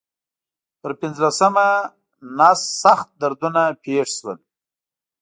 پر پنځلسمه نس سخت دردونه پېښ شول.